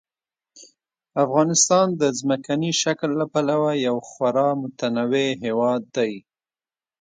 افغانستان د ځمکني شکل له پلوه یو خورا متنوع هېواد دی.